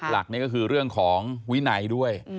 หลักนี่ก็คือเรื่องของวินัยด้วย